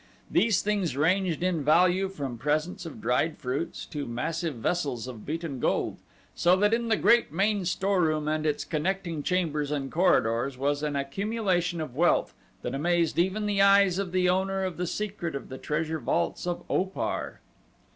These things ranged in value from presents of dried fruits to massive vessels of beaten gold, so that in the great main storeroom and its connecting chambers and corridors was an accumulation of wealth that amazed even the eyes of the owner of the secret of the treasure vaults of Opar.